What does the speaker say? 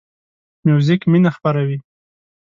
موزیک مینه خپروي.